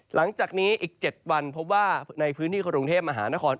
หลังจากนี้อีก๗วันพบว่าในพื้นที่กรุงเทพมหานคร